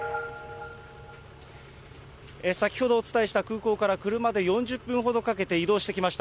先ほどお伝えした空港から車で４０分ほどかけて移動してきました、